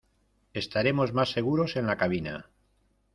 Estaremos más seguros en la cabina.